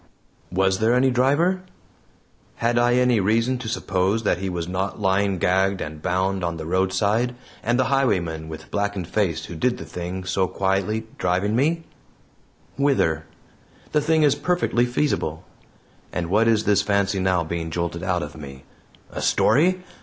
Was there any driver? Had I any reason to suppose that he was not lying gagged and bound on the roadside, and the highwayman with blackened face who did the thing so quietly driving me whither? The thing is perfectly feasible. And what is this fancy now being jolted out of me? A story?